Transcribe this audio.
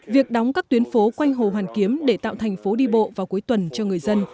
việc đóng các tuyến phố quanh hồ hoàn kiếm để tạo thành phố đi bộ vào cuối tuần cho người dân